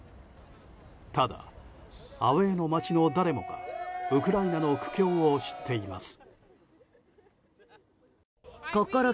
ただ、アウェーの街の誰もがウクライナの苦境を知っています。